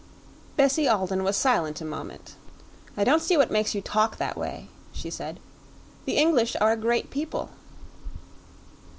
Bessie Alden was silent a moment. "I don't see what makes you talk that way," she said. "The English are a great people."